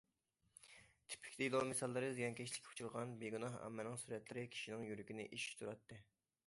تىپىك دېلو مىساللىرى، زىيانكەشلىككە ئۇچرىغان بىگۇناھ ئاممىنىڭ سۈرەتلىرى كىشىنىڭ يۈرىكىنى ئېچىشتۇراتتى.